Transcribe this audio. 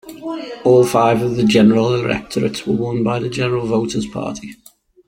All five of the "general electorates" were won by the General Voters Party.